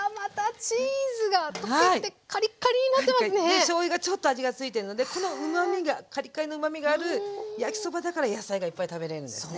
でしょうゆがちょっと味がついてるのでこのうまみがカリカリのうまみがある焼きそばだから野菜がいっぱい食べれるんですね。